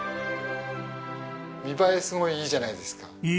見栄えすごいいいじゃないですか。